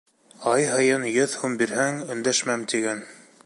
Ай һайын йөҙ һум бирһәң, өндәшмәм, тигән.